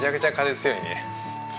強いね。